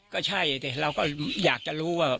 ก็ใช่แต่เราก็อยากจะรู้ว่า